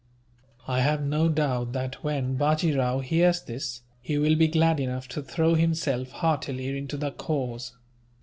"I have no doubt that, when Bajee Rao hears this, he will be glad enough to throw himself heartily into the cause.